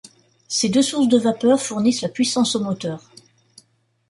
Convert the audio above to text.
Ces deux sources de vapeur fournissent la puissance au moteur.